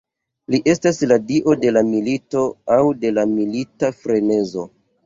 Li estas la dio de la milito aŭ de la milita frenezo.